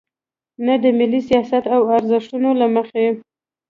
نه د ملي سیاست او ارزښتونو له مخې.